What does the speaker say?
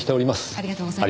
ありがとうございます。